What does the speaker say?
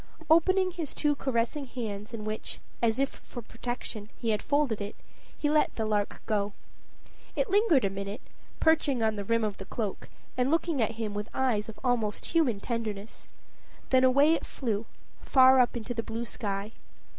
Opening his two caressing hands, in which, as if for protection, he had folded it, he let the lark go. It lingered a minute, perching on the rim of the cloak, and looking at him with eyes of almost human tenderness; then away it flew, far up into the blue sky.